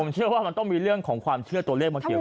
เชื่อว่ามันต้องมีเรื่องของความเชื่อตัวเลขมาเกี่ยว